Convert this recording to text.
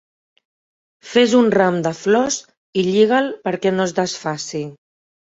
Fes un ram de flors i lliga'l perquè no es desfaci.